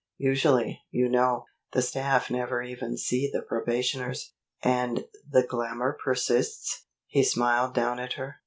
Usually, you know, the staff never even see the probationers." "And the glamour persists?" He smiled down at her.